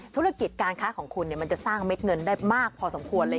ธุรกิจการค้าของคุณมันจะสร้างเม็ดเงินได้มากพอสมควรเลย